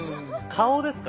顔ですか？